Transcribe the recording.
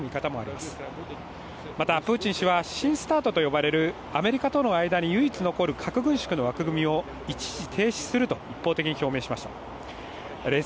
また、プーチン氏は新ＳＴＡＲＴと呼ばれるアメリカとの間に唯一残る核軍縮の枠組みを一時停止すると一方的に表明しました。